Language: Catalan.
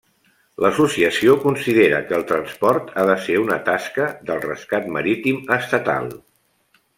L'associació considera que el transport ha de ser una tasca del rescat marítim estatal.